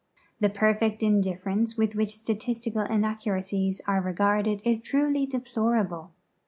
The per fect indifference with which statistical inaccuracies are regarded is truly deplorable.